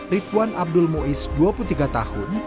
ridwan abdul muiz dua puluh tiga tahun